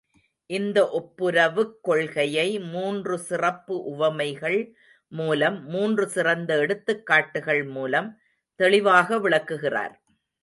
இந்த ஒப்புரவுக் கொள்கையை மூன்று சிறப்பு உவமைகள் மூலம் மூன்று சிறந்த எடுத்துக்காட்டுக்கள் மூலம் தெளிவாக விளக்குகிறார்.